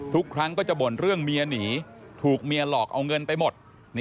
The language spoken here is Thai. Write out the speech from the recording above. ทุกครั้งก็จะบ่นเรื่องเมียหนีถูกเมียหลอกเอาเงินไปหมด